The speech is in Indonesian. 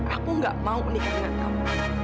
aku gak mau menikah dengan kamu